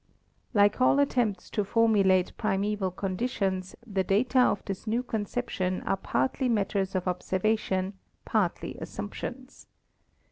"Like all attempts to formulate primeval conditions, the data of this new conception are partly matters of observa tion, partly assumptions.